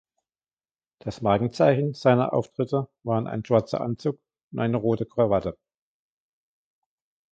Das Markenzeichen seiner Auftritte waren ein schwarzer Anzug und eine rote Krawatte.